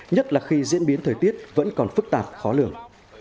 nhất là khi diễn biến thời tiết vẫn còn phức tạp khó lường